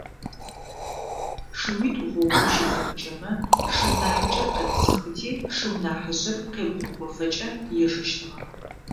Шыуитӏу гъогум щызэӏукӏэмэ, шыу нахьыкӏэр къепсыхти шыу ныхьыжъыр къебгъукӏофэкӏэ ежэщтыгъэ.